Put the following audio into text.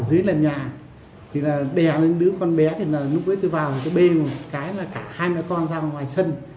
đè lên đứa con bé lúc ấy tôi vào tôi bê một cái là cả hai mươi con ra ngoài sân